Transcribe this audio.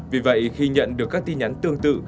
vì vậy khi nhận được các tin nhắn tương tự